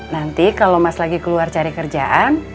nanti kalau mas lagi keluar cari kerjaan